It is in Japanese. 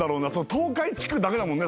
東海地区だけだもんね